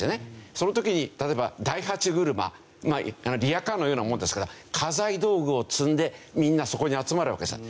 その時に例えば大八車リヤカーのようなものですから家財道具を積んでみんなそこに集まるわけですよ。